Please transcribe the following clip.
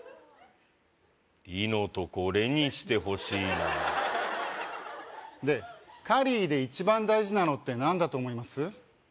「リ」のとこ「レ」にしてほしいなでカリーで一番大事なのって何だと思います？